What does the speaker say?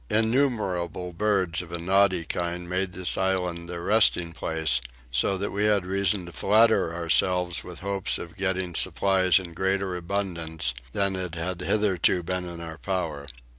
Innumerable birds of a noddy kind made this island their resting place; so that we had reason to flatter ourselves with hopes of getting supplies in greater abundance than it had hitherto been in our power.